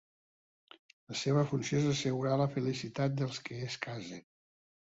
La seva funció és assegurar la felicitat dels que es casen.